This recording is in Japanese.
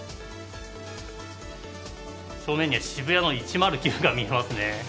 正面には渋谷の１０９が見えますね。